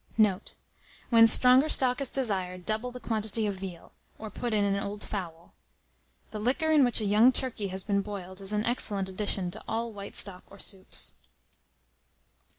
Note. When stronger stock is desired, double the quantity of veal, or put in an old fowl. The liquor in which a young turkey has been boiled, is an excellent addition to all white stock or soups.